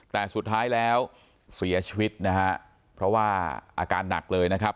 แต่สุดท้ายแล้วเสียชีวิตนะฮะเพราะว่าอาการหนักเลยนะครับ